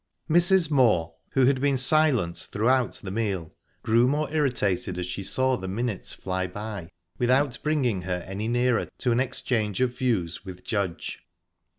Mrs. Moor, who had been silent throughout the meal, grew more irritated as she saw the minutes fly by without bringing her any nearer to an exchange of views with Judge.